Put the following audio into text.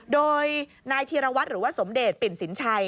โดยนายธีรวัตรหรือว่าสมเดชปิ่นสินชัย